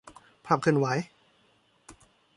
ภาพเคลื่อนไหว